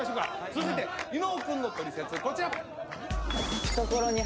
続いて伊野尾くんのトリセツこちら。